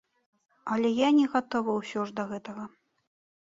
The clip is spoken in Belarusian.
Але я не гатовы ўсё ж да гэтага.